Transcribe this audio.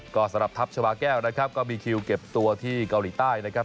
ก็สำหรับทัพชาวาแก้วนะครับก็มีคิวเก็บตัวที่เกาหลีใต้นะครับ